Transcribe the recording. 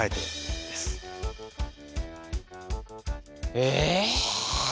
え？